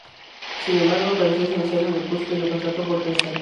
Sin embargo, apareció Cienciano del Cusco y lo contrató por tres años.